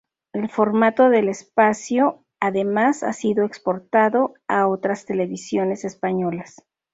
El formato del espacio, además, ha sido exportado a otras televisiones españolas.